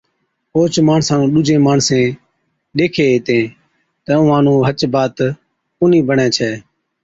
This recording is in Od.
اوهچ ماڻسا نُون ڏُوجين ماڻسين ڏيکين هِتين تہ اُونهان نُون هچ بات ڪونهِي بڻَي ڇَي۔